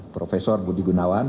prof budi gunawan